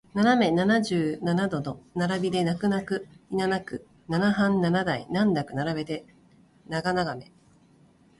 斜め七十七度の並びで泣く泣くいななくナナハン七台難なく並べて長眺め